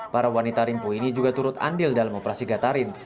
para wanita rimpu ini juga turut andil dalam operasi gatarin